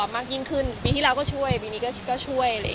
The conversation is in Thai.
มากยิ่งขึ้นปีที่แล้วก็ช่วยปีนี้ก็ช่วย